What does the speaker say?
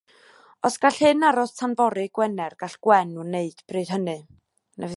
Os gall hyn aros tan fory Gwener gall Gwen wneud bryd hynny.